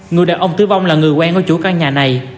người đàn ông tử vong là người quen ở chủ căn nhà này